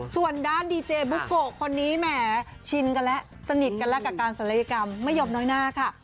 ส่วนด้านดีเจบุโกะคนนี้แหมชินกันแล้วสนิทกันแล้วกับการศัลยกรรมไม่ยอมน้อยหน้าค่ะ